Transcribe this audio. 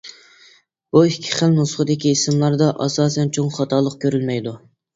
بۇ ئىككى خىل نۇسخىدىكى ئىسىملاردا ئاساسەن چوڭ خاتالىق كۆرۈلمەيدۇ.